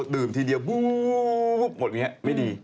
ทีเดียวบู๊บหมดอย่างนี้ไม่ดี